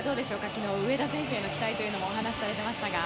昨日は上田選手への期待感もお話しされていましたが。